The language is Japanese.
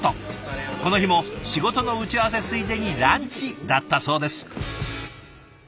この日も仕事の打ち合わせついでにランチだったそうです。